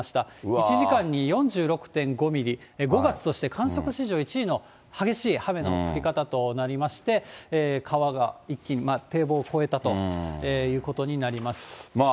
１時間に４６．５ミリ、５月として観測史上１位の激しい雨の降り方となりまして、川が一気に、堤防を越えたということになります。